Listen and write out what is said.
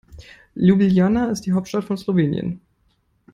Ljubljana ist die Hauptstadt von Slowenien.